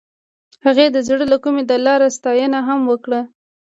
هغې د زړه له کومې د لاره ستاینه هم وکړه.